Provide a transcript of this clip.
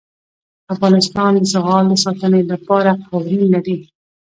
افغانستان د زغال د ساتنې لپاره قوانین لري.